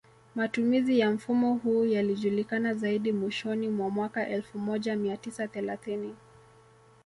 Matumizi ya mfumo huu yalijulikana zaidi mwishoni mwa mwaka elfu moja mia tisa thelathini